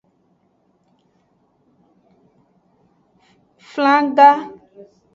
Flangga.